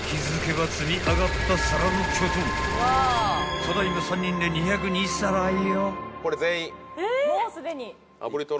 ［ただ今３人で２０２皿よ］